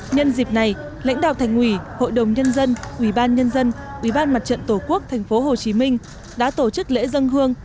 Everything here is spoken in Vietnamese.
nhân dịp này lãnh đạo thành ủy hội đồng nhân dân ủy ban nhân dân ủy ban mặt trận tổ quốc tp hcm đã tổ chức lễ dân hương